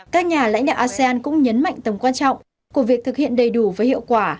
các nhà lãnh đạo asean cũng nhấn mạnh tầm quan trọng của việc thực hiện đầy đủ và hiệu quả